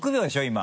今。